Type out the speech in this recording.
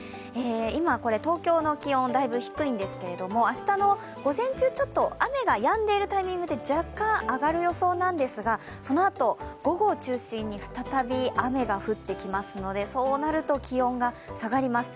今、東京の気温、だいぶ低いんですけど明日の午前中、ちょっと雨がやんでいるタイミングで若干、上がる予想なんですがそのあと、午後を中心に再び、雨が降ってきますので、そうなると気温が下がります。